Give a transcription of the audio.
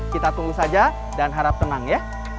kita tunggu saja dan harap tenang ya